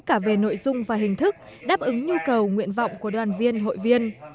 cả về nội dung và hình thức đáp ứng nhu cầu nguyện vọng của đoàn viên hội viên